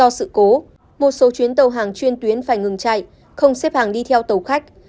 do sự cố một số chuyến tàu hàng chuyên tuyến phải ngừng chạy không xếp hàng đi theo tàu khách